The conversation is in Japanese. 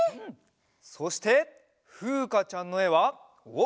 そしてふうかちゃんのえはおっ！